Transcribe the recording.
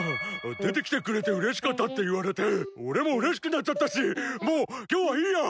「でてきてくれてうれしかった」っていわれておれもうれしくなっちゃったしもうきょうはいいや！